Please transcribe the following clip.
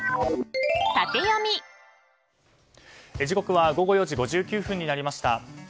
時刻は午後４時５９分になりました。